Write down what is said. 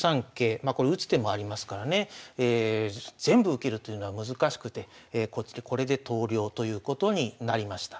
まあこれ打つ手もありますからね全部受けるというのは難しくてこれで投了ということになりました。